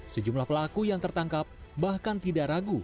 sejumlah pelaku yang tertangkap bahkan tidak ragu